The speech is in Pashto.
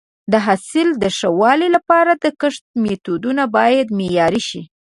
د حاصل د ښه والي لپاره د کښت میتودونه باید معیاري شي.